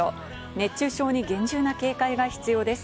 熱中症に厳重な警戒が必要です。